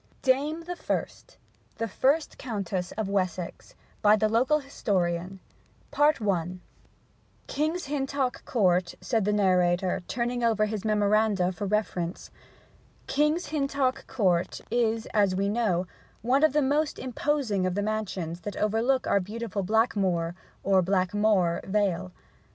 DAME THE FIRST THE FIRST COUNTESS OF WESSEX By the Local Historian King's Hintock Court (said the narrator, turning over his memoranda for reference) King's Hintock Court is, as we know, one of the most imposing of the mansions that overlook our beautiful Blackmoor or Blakemore Vale.